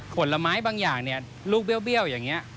ผลไม้บางอย่างเนี่ยลูกเบี้ยวอย่างนี้